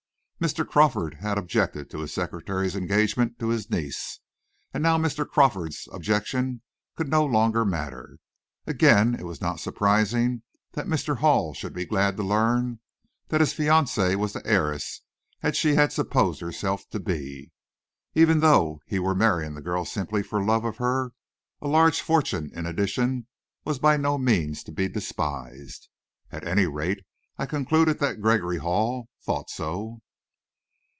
Mr. Crawford had objected to his secretary's engagement to his niece, and now Mr. Crawford's objections could no longer matter. Again, it was not surprising that Mr. Hall should be glad to learn that his fiancee was the heiress she had supposed herself to he. Even though he were marrying the girl simply for love of her, a large fortune in addition was by no means to be despised. At any rate, I concluded that Gregory Hall thought so.